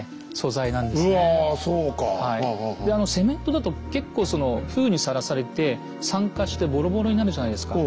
でセメントだと結構その風雨にさらされて酸化してボロボロになるじゃないですか。